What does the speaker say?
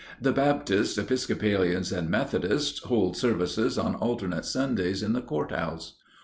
The Baptists, Episcopalians, and Methodists hold services on alternate Sundays in the court house.